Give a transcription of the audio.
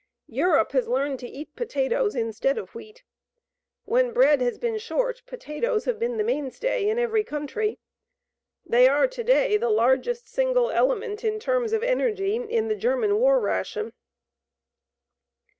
Europe has learned to eat potatoes instead of wheat. When bread has been short potatoes have been the mainstay in every country. They are to day the largest single element, in terms of energy, in the German war ration.